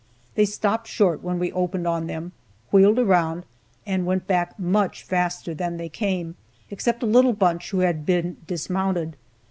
They stopped short when we opened on them, wheeled around, and went back much faster than they came, except a little bunch who had been dismounted.